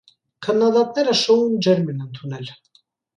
Քննադատները շոուն ջերմ են ընդունել։